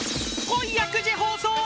［今夜９時放送！